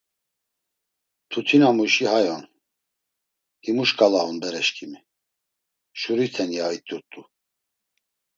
Mtutinamuşi hay on, himu şǩala on bereşǩimi, şuriten, ya it̆urt̆u.